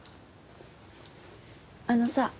あのさ。